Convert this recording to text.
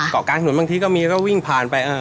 เกาะก๊าทหนุนบางทีหมดมีแล้วก็วิ่งผ่านไป